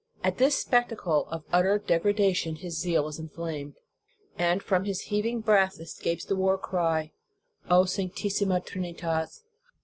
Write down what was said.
At this spectacle of utter degrada tion his zeal is inflamed, and from his heav ing breast escapes the war cry, O sauctissi ma Trinitas!